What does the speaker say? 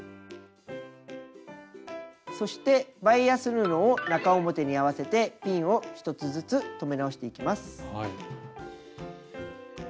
そしてバイアス布を中表に合わせてピンを１つずつ留め直していきます。